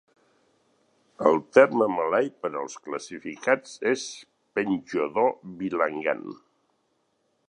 El terme malai per als classificats és "penjodoh bilangan".